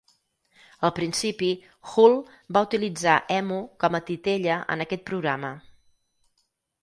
Al principi, Hull va utilitzar Emu com a titella en aquest programa.